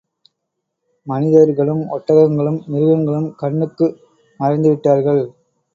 மனிதர்களும், ஒட்டகங்களும், மிருகங்களும் கண்ணுக்கு மறைந்து விட்டார்கள்.